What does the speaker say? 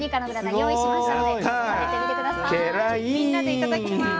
じゃみんなでいただきます。